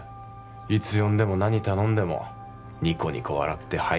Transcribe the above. いつ呼んでも何頼んでもニコニコ笑ってはい